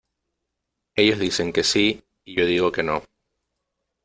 Ellos dicen que sí y yo digo que no.